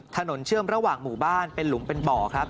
เชื่อมระหว่างหมู่บ้านเป็นหลุมเป็นบ่อครับ